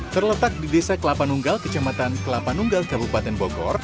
terletak di desa kelapa nunggal kecamatan kelapa nunggal kabupaten bogor